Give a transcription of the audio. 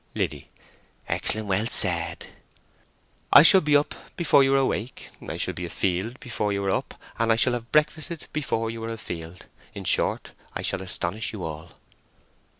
(Liddy.) "Excellent well said." "I shall be up before you are awake; I shall be afield before you are up; and I shall have breakfasted before you are afield. In short, I shall astonish you all."